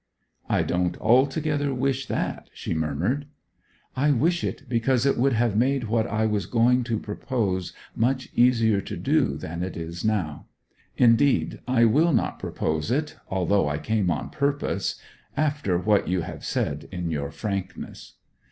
'I don't altogether wish that,' she murmured. 'I wish it, because it would have made what I was going to propose much easier to do than it is now. Indeed I will not propose it, although I came on purpose, after what you have said in your frankness.'